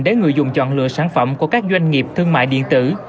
để người dùng chọn lựa sản phẩm của các doanh nghiệp thương mại điện tử